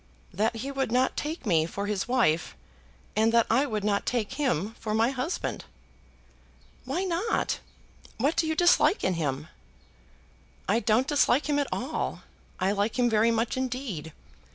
"That he would not take me for his wife, and that I would not take him for my husband." "Why not? What do you dislike in him?" "I don't dislike him at all. I like him very much indeed.